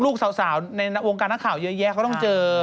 ลูกสาวในวงการนักข่าวเยอะแยะเขาต้องเจอ